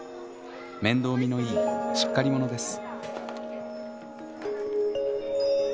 面倒見のいいしっかり者です。